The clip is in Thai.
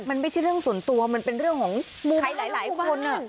มันไม่ใช่เรื่องส่วนตัวมันเป็นเรื่องของมุมใครหลายคน